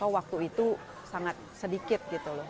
waktu itu sangat sedikit gitu loh